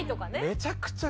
めちゃくちゃ。